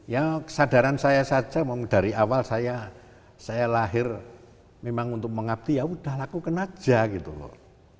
ya kesadaran saya saja dari awal saya lahir memang untuk mengabdi ya udah lakukan aja gitu loh